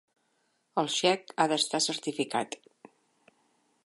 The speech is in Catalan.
El xec ha d'estar certificat.